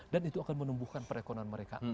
dan itu akan menumbuhkan perekonomian mereka